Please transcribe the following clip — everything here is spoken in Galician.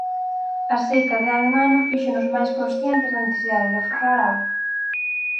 A seca de hai un ano fíxonos máis conscientes da necesidade de aforrar auga.